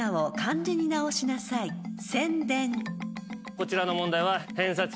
こちらの問題は偏差値